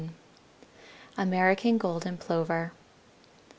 ] AMERICAN GOLDEN PLOVER.